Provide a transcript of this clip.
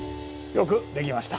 よくできました。